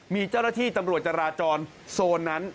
มีเจ้าหน้าที่ตำรวจจราจรโซนนั้น